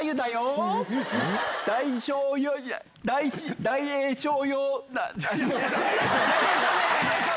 大栄翔関！